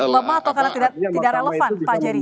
lemah atau karena tidak relevan pak jerry